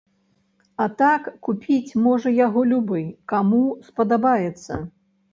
А так купіць можа яго любы, каму спадабаецца.